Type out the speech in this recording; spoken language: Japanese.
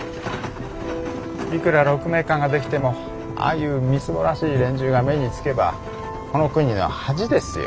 いくら鹿鳴館が出来てもああいうみすぼらしい連中が目につけばこの国の恥ですよ。